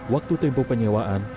waktu tempoh penyewaan